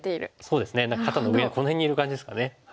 そうですね何か肩の上この辺にいる感じですかね。